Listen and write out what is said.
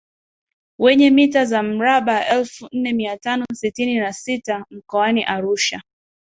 wenye mita za mrabaa elfu nne mia tano sitini na sita mkoani Arusha